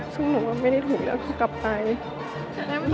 ซึ่งหนูก็ไม่ได้ถูกเลือกกลับไป